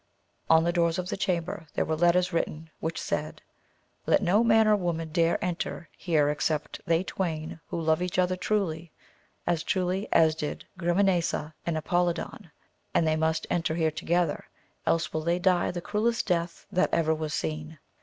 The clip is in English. On the doors of the chamber there were letters written which said, Let no man or woman dare enter here except they twain who love each other truly, as truly as did Grimanesa and Apolidon, and they must enter here together, else will they die the cruellest death that ever was seen.